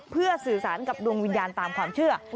เพื่อสื่อสารกับดวงวิญญาณตามความเชื่อ